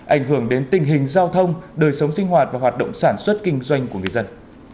ảnh hưởng đến tình hình giao thông đời sống sinh hoạt và hoạt động sản xuất kinh doanh của người dân